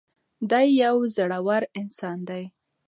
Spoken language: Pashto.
دی یو زړور انسان دی.